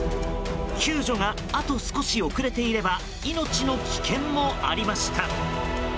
救助が、あと少し遅れていれば命の危険もありました。